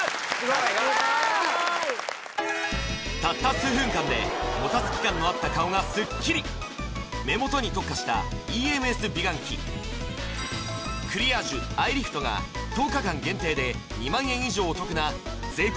さすがたった数分間でもたつき感のあった顔がスッキリ目元に特化したＥＭＳ美顔器クリアージュアイリフトが１０日間限定で２万円以上お得な税込